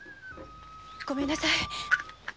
ごめんなさい。